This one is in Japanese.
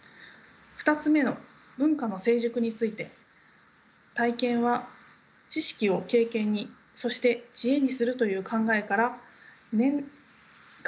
２つ目の文化の成熟について体験は知識を経験にそして知恵にするという考えを持っています。